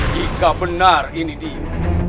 jika benar ini dia